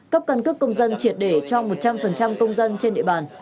cấp căn cước công dân triệt để cho một trăm linh công dân trên địa bàn